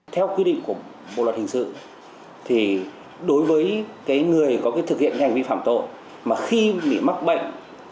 theo quy định của bộ luật hình sự thì đối với người có thực hiện hành vi phạm tội mà khi bị mắc bệnh